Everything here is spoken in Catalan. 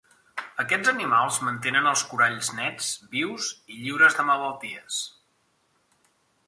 Aquests animals mantenen els coralls nets, vius i lliures de malalties.